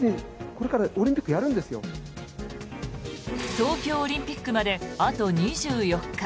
東京オリンピックまであと２４日。